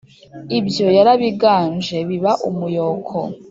ibyo yarabiganje biba umuyoko!